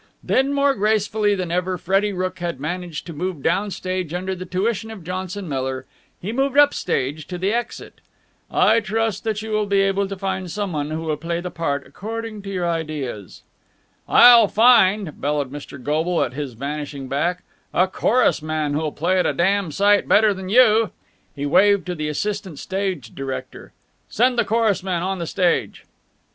Then, more gracefully than ever Freddie Rooke had managed to move down stage under the tuition of Johnson Miller, he moved up stage to the exit. "I trust that you will be able to find someone who will play the part according to your ideas!" "I'll find," bellowed Mr. Goble at his vanishing back, "a chorus man who'll play it a damned sight better than you!" He waved to the assistant stage director. "Send the chorus men on the stage!"